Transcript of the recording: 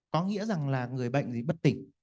có nghĩa rằng là người bệnh thì bất tỉnh